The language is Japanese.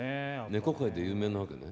猫界で有名なわけね。